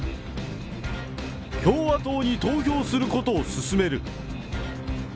共和党に投票することを勧める。